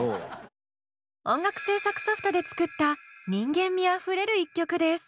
音楽制作ソフトで作った人間味あふれる一曲です。